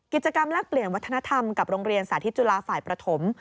แลกเปลี่ยนวัฒนธรรมกับโรงเรียนสาธิตจุฬาฝ่ายประถม